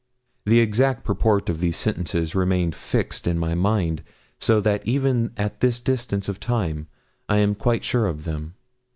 The exact purport of these sentences remained fixed in my mind, so that even at this distance of time I am quite sure of them.